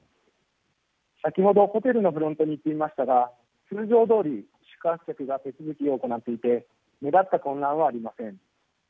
先ほどホテルのフロントに行ってみましたが通常どおり宿泊客は手続きを行っていて目立った混乱はありません。